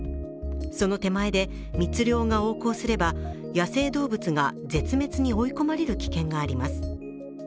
その手前で、密猟が横行すれば野生動物が絶滅に追い込まれる危険があります。